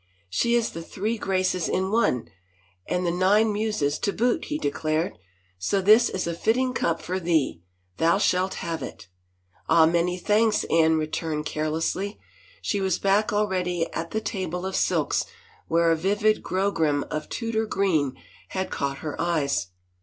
" She is the three Graces in one — and the nine Muses to boot," he declared. " So this is a fitting cup for thee — thou shalt have it," " Ah, many thanks," Anne returned carelessly. She was back already at the table of silks where a vivid grogram of Tudor green had caught her eyes.